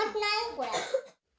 これ。